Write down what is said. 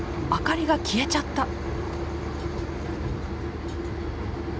明かりが消えちゃった。